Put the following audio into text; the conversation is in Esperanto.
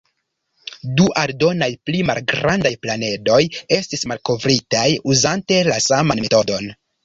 Du aldonaj pli malgrandaj planedoj estis malkovritaj uzante la saman metodon.